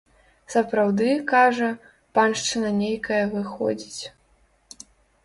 Сапраўды, кажа, паншчына нейкая выходзіць.